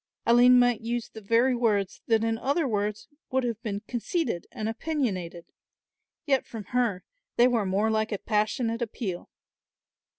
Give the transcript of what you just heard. Aline might use the very words that in other children's mouths would have been conceited and opinionated; yet from her they were more like a passionate appeal.